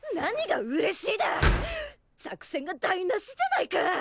作戦が台なしじゃないか！